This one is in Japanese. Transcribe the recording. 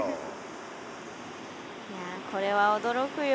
いやこれは驚くよ。